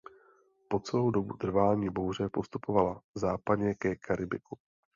Po celou dobu trvání bouře postupovala západně ke Karibiku.